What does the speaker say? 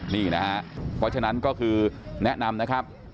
นี่นะครับเพราะฉะนั้นก็คือแนะนำนะครับ